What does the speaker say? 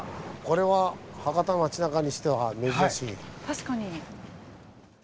確かに。